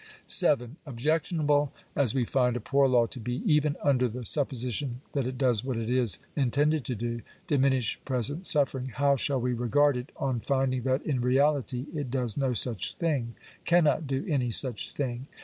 §*■ Objectionable as we find a poor law to be, even under the supposition that it does what it is intended to do — diminish present suffering — how shall we regard it on finding that in reality it does no such thing — cannot do any such thing?